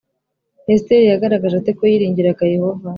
Esiteri yagaragaje ate ko yiringiraga Yehova